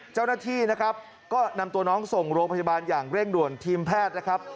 เจ้าหน้าที่นะครับก็นำตัวน้องส่งโรงพยาบาลอย่างเร่งด่วนทีมแพทย์นะครับ